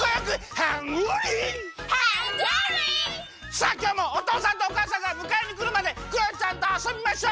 さあきょうもおとうさんとおかあさんがむかえにくるまでクヨちゃんとあそびましょ！